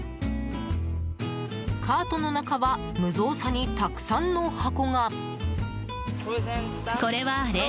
カートの中は無造作にたくさんの箱が。